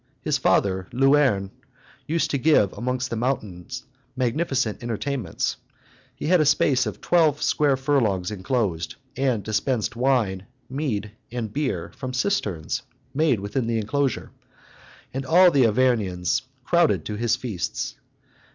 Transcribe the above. His father Luern used to give amongst the mountains magnificent entertainments; he had a space of twelve square furlongs enclosed, and dispensed wine, mead, and beer from cisterns made within the enclosure; and all the Arvernians crowded to his feasts.